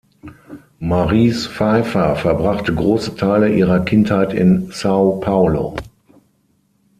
Maris Pfeiffer verbrachte große Teile ihrer Kindheit in São Paulo.